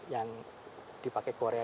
yang dipakai korea